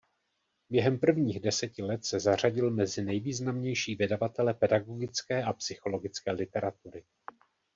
Během prvních deseti let se zařadil mezi nejvýznamnější vydavatele pedagogické a psychologické literatury.